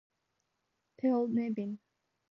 Paul Nevin.